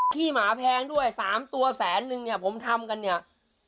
ที่หมาแพงด้วย๓ตัวแสนนึงเนี่ยผมทำกันเนี่ย